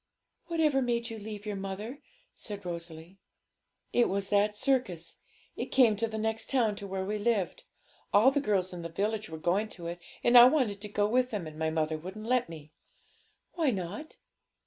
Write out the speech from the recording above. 'Whatever made you leave your mother?' said Rosalie. 'It was that circus; it came to the next town to where we lived. All the girls in the village were going to it, and I wanted to go with them, and my mother wouldn't let me.' 'Why not?'